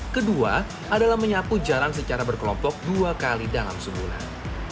kedua adalah menyapu jalan secara berkelompok dua kali dalam sebulan